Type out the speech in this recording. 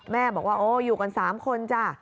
แม่บอกว่าโอ้อยู่กัน๓คนจ้ะ